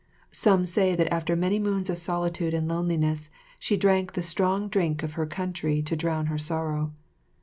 Some say that after many moons of solitude and loneliness she drank the strong drink of her country to drown her sorrow.